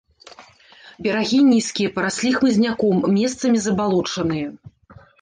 Берагі нізкія, параслі хмызняком, месцамі забалочаныя.